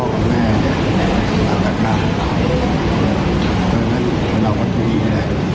เจอกันที่รอเวลาให้เขาไม่ดาว